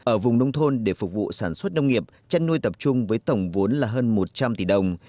ở vùng nông thôn để phục vụ sản xuất nông nghiệp chăn nuôi tập trung với tổng vốn là hơn một trăm linh tỷ đồng